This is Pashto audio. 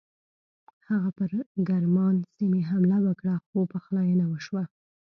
هغه پر ګرمان سیمې حمله وکړه خو پخلاینه وشوه.